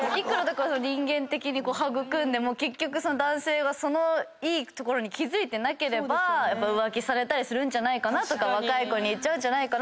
人間的に育んでも結局男性がそのいいところに気付いてなければ浮気されたりするんじゃないかなとか若い子にいっちゃう。